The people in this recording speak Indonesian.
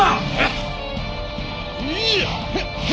aku akan mencari